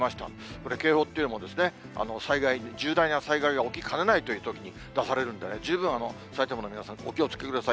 これ、警報っていっても、重大な災害が起きかねないというときに出されるんで、十分埼玉の皆さん、お気をつけください。